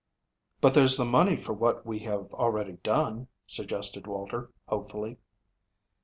"But there's the money for what we have already done," suggested Walter hopefully.